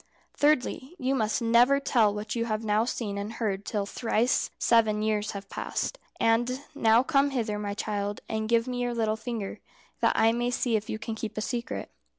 "Thirdly, you must never tell what you have now seen and heard till thrice seven years have passed. And now come hither, my child, and give me your little finger, that I may see if you can keep a secret."